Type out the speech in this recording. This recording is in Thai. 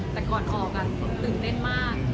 แต่ก่อนออกตื่นเต้นมาก